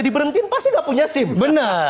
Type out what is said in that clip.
diberhentikan pasti nggak punya sim benar